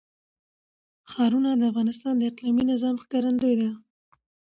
ښارونه د افغانستان د اقلیمي نظام ښکارندوی ده.